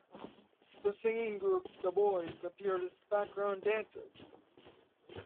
The singing group The Boys appeared as background dancers.